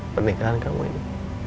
pernikahan kamu ini